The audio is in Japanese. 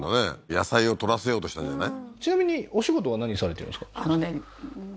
野菜を採らせようとしたんじゃない？